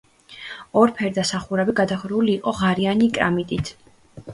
ორფერდა სახურავი გადახურული იყო ღარიანი კრამიტით.